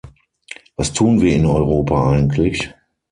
Was tun wir in Europa eigentlich?